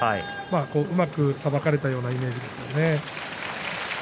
うまくさばかれたような感じですね。。